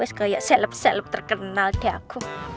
terus kayak seleb seleb terkenal di aku